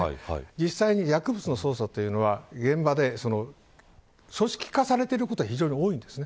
実際に薬物の捜査というのは現場で組織化されていることが非常に多いんです。